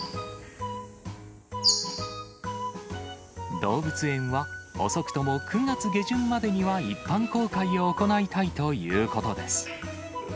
動物園は、遅くとも９月下旬までには一般公開を行いたいということです。